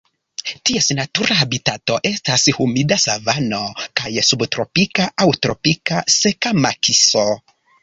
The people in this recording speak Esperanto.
Ties natura habitato estas humida savano kaj subtropika aŭ tropika seka makiso.